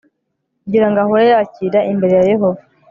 kugira ngo ahore yakira imbere ya yehova